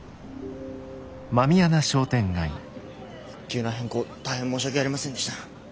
急な変更大変申し訳ありませんでした。